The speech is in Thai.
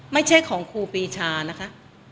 ไม่ใช่ของครูปีชานะคะ